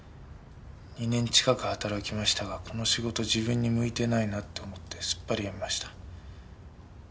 ２年近く働きましたがこの仕事自分に向いてないなって思ってすっぱり辞めました。